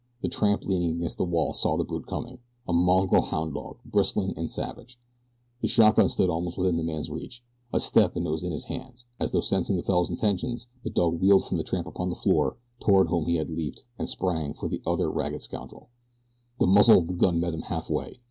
The tramp leaning against the wall saw the brute coming a mongrel hound dog, bristling and savage. The shotgun stood almost within the man's reach a step and it was in his hands. As though sensing the fellow's intentions the dog wheeled from the tramp upon the floor, toward whom he had leaped, and sprang for the other ragged scoundrel. The muzzle of the gun met him halfway.